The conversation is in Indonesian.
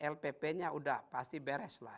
lpp nya sudah pasti beres